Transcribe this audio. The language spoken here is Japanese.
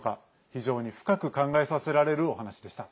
非常に深く考えさせられるお話でした。